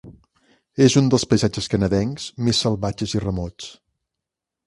És un dels paisatges canadencs més salvatges i remots.